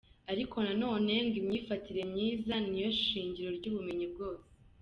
Ariko nanone ngo imyifatire myiza niyo shingiro ry’ubumenyi bwose.